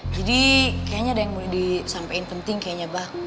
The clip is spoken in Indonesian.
jadi kayaknya ada yang boleh disampaikan penting kayaknya abah